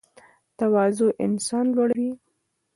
تواضع انسان لوړوي